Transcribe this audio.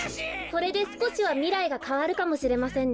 これですこしはみらいがかわるかもしれませんね。